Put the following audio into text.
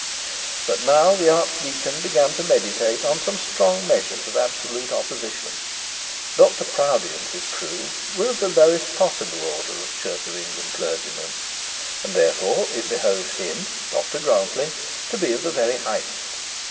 But now the archdeacon began to meditate on some strong measures of absolute opposition. Dr Proudie and his crew were of the lowest possible order of Church of England clergymen, and therefore it behoved him, Dr Grantly, to be of the very highest.